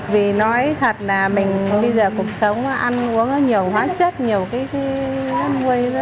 vì nói thật là mình bây giờ cuộc sống ăn uống nhiều hóa chất nhiều cái mua